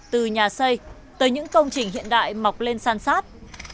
từ nhà xây tới những công trình hiện đại mọc lên san sát